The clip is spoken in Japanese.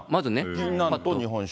ぎんなんと日本酒。